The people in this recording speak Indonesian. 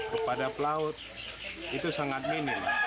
kepada pelaut itu sangat minim